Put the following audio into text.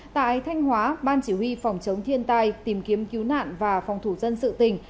tại thanh hóa ban chỉ huy phòng chống thiên tai tìm kiếm cứu nạn và phòng thủ dân sự tỉnh